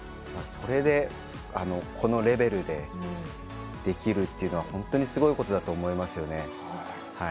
それで、このレベルでできるというのは本当にすごいことだと思いますよね。